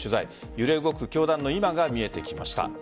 揺れ動く教団の今が見えてきました。